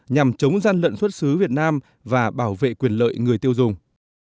nhằm chống gian lận xuất xứ việt nam và bảo vệ quyền lợi người tiêu dùng